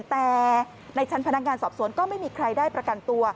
แต่ในชั้นพนักงานสอบสวนก็ไม่มีใครได้ประกันตัว